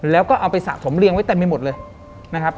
แล้วก็เอาไปสะสมเรียงไว้เต็มไปหมดเลยนะครับ